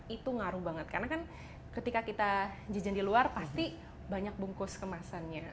itu sangat berpengaruh karena ketika kita jajan di luar pasti banyak bungkus kemasannya